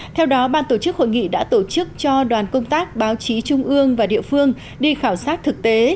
theo đó ban tổ chức hội nghị đã tổ chức cho đoàn công tác báo chí trung ương và địa phương đi khảo sát thực tế